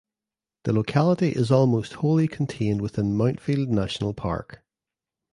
The locality is almost wholly contained within Mount Field National Park.